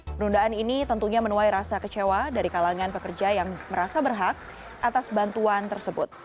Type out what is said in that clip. penundaan ini tentunya menuai rasa kecewa dari kalangan pekerja yang merasa berhak atas bantuan tersebut